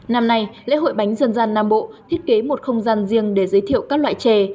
năm nay lễ hội bánh dân gian nam bộ thiết kế một không gian riêng để giới thiệu các loại chè